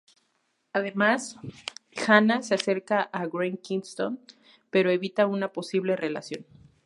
Además, Hanna se acerca a Wren Kingston, pero evita una posible relación.